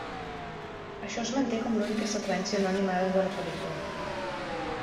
Això es manté com l'única seqüència no animada de la pel·lícula.